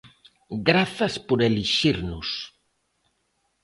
Grazas por elixirnos.